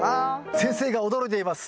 先生が驚いています。